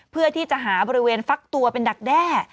เพื่อที่จะหาบริเวณฟักตัวเป็นดักแด้